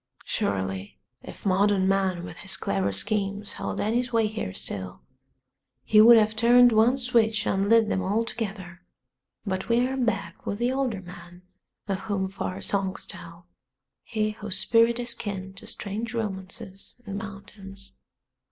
Surely if modern man with his clever schemes held any sway here still he would have turned one switch and lit them all together; but we are back with the older man of whom far songs tell, he whose spirit is kin to strange romances and mountains.